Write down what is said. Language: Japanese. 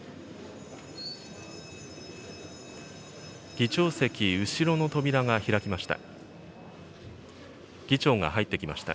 議長席後ろの扉が開きました。